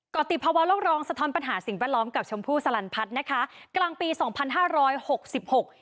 ก็ติดภาวะโลกร้องสะท้อนปัญหาสิ่งแวดล้อมกับชมพู่สลันพัฒน์นะคะกลางปีสองพันห้าร้อยหกสิบหก